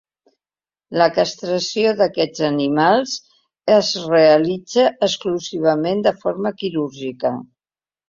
La castració d'aquests animals es realitza exclusivament de forma quirúrgica.